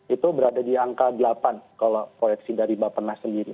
itu berada di angka delapan kalau proyeksi dari bapak nas sendiri